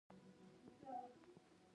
واورې ښویدنه په سالنګ کې خلک وژني؟